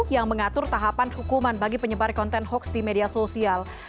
yang mengatur tahapan hukuman bagi penyebar konten hoax di media sosial